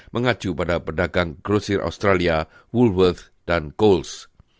mengacu pada pedagang grocery australia woolworths dan coles